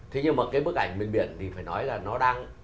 thế nhưng mà cái bức ảnh mình biển thì phải nói là nó đang